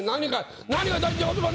何が。